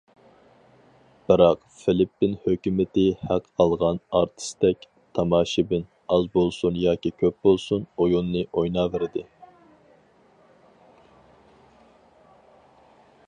بىراق فىلىپپىن ھۆكۈمىتى ھەق ئالغان ئارتىستەك، تاماشىبىن ئاز بولسۇن ياكى كۆپ بولسۇن ئويۇننى ئويناۋەردى.